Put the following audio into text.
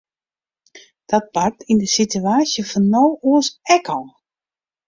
Dat bart yn de situaasje fan no oars ek al.